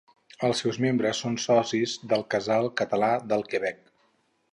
Els seus membres són socis del Casal Català del Quebec.